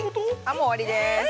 ◆もう終わりです。